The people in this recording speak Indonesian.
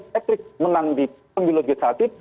patrick menang di pemilu legislatif